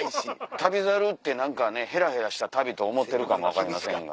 『旅猿』って何かねヘラヘラした旅と思ってるかも分かりませんが。